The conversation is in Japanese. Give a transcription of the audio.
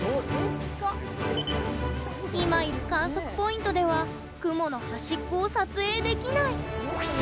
今いる観測ポイントでは雲の端っこを撮影できない。